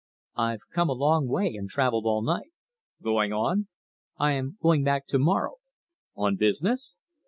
"I've come a long way, and travelled all night." "Going on?" "I am going back to morrow." "On business?"